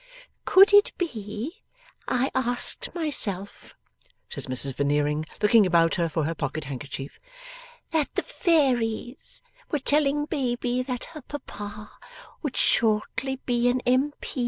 'Could it be, I asked myself,' says Mrs Veneering, looking about her for her pocket handkerchief, 'that the Fairies were telling Baby that her papa would shortly be an M.